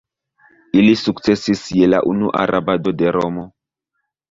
Ili sukcesis je la unua rabado de Romo.